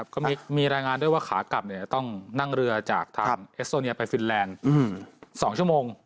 ก็มีรายงานด้วยว่าขากลับต้องนั่งเรือจากทางเอสโซเนียไปฟินแลนด์๒ชั่วโมง